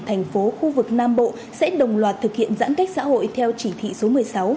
thành phố khu vực nam bộ sẽ đồng loạt thực hiện giãn cách xã hội theo chỉ thị số một mươi sáu